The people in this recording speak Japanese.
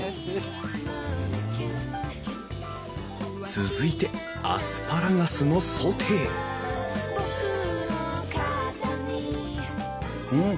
続いてアスパラガスのソテーうん！